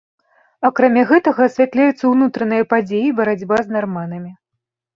Акрамя гэтага асвятляюцца ўнутраныя падзеі і барацьба з нарманамі.